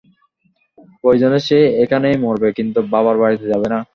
প্রয়োজনে সে এইখানেই মরবে, কিন্তু বাবার বাড়িতে যাবেনা।